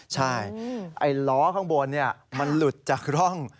ใช่ไอ้ล้อข้างบนมันหลุดจากร่อง